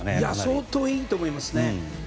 相当いいと思いますね。